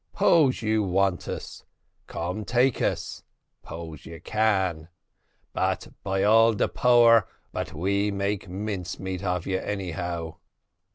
'Pose you want us, come take us 'pose you can. By all de power, but we make mince meat of you, anyhow."